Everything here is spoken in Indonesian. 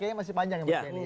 kayaknya masih panjang ya